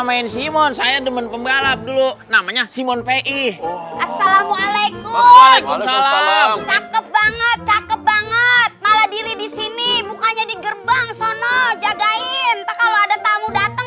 banget cakep banget malah diri di sini bukannya di gerbang sono jagain kalau ada tamu dateng